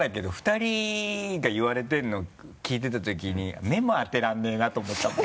２人が言われてるの聞いてたときに目も当てられないなと思ったもん。